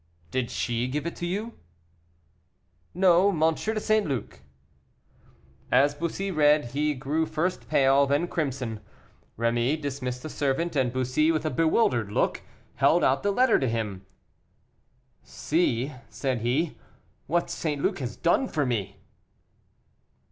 "Did she give it to you?" "No; M. de St. Luc." As Bussy read, he grew first pale, then crimson. Rémy dismissed the servant, and Bussy, with a bewildered look, held out the letter to him. "See," said he, "what St. Luc has done for me."